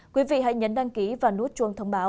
quý vị hãy nhấn đăng ký và nút chuông thông báo